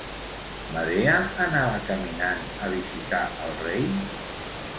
Medea anava caminant a visitar el rei?